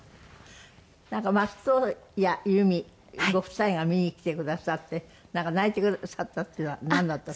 なんか松任谷由実ご夫妻が見に来てくださってなんか泣いてくださったっていうのはなんの時？